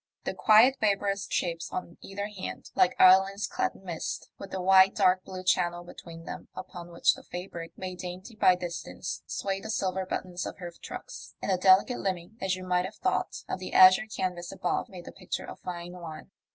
The quiet vaporous shapes on either hand, like islands clad in' mist, with the wide dark blue channel between them upon which the fabric, made dainty by distance, swayed the silver buttons of her trucks in a delicate limning, as you might have thought, of the azure canvas above, made the picture a fine one.